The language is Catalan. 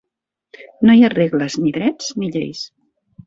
No hi ha regles, ni drets, ni lleis.